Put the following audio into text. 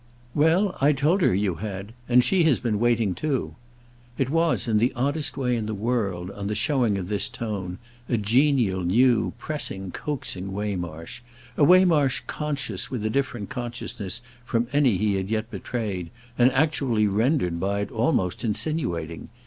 "Well, I told her you had. And she has been waiting too." It was, in the oddest way in the world, on the showing of this tone, a genial new pressing coaxing Waymarsh; a Waymarsh conscious with a different consciousness from any he had yet betrayed, and actually rendered by it almost insinuating.